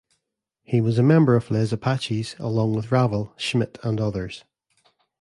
He was a member of Les Apaches along with Ravel, Schmitt and others.